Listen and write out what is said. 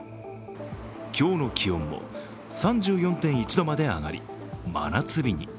今日の気温も３４．１度まで上がり、真夏日に。